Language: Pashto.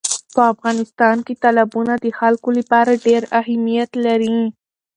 په افغانستان کې تالابونه د خلکو لپاره ډېر اهمیت لري.